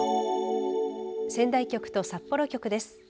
仙台局と札幌局です。